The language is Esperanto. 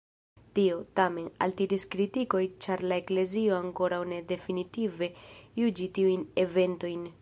Tio, tamen, altiris kritikoj ĉar la eklezio ankoraŭ ne definitive juĝi tiujn eventojn.